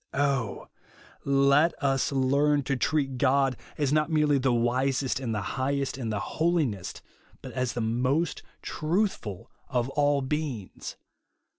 Oh let us learn to treat God as not merely the wisest, and the highest, and the holiest, but as the ^nost truthful of all heings.